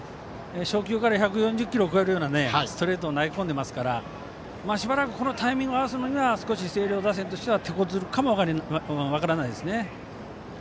初球から１４０キロを超えるストレートを投げ込んでいるのでしばらくタイミング合わせるのは星稜打線としてはてこずるかも分からないですね。